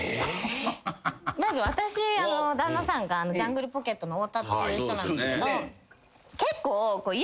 まず私旦那さんがジャングルポケットの太田という人なんですけど結構。